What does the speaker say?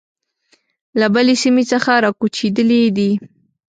له بلې سیمې څخه را کوچېدلي دي.